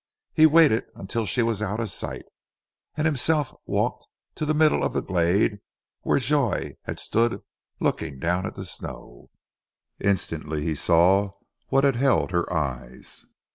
He waited until she was out of sight, and himself walked to the middle of the glade where Joy had stood looking down at the snow. Instantly he saw what had held her eyes.